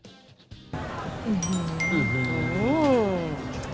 อื้อฮือ